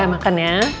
udah makan ya